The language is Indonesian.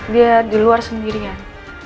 dia di luar sendirian